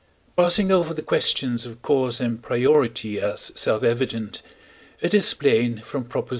Passing over the questions of cause and priority as self evident, it is plain from Props.